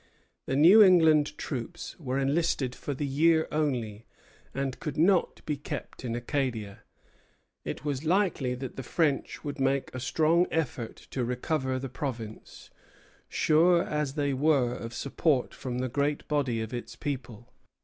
The New England troops were enlisted for the year only, and could not be kept in Acadia. It was likely that the French would make a strong effort to recover the province, sure as they were of support from the great body of its people.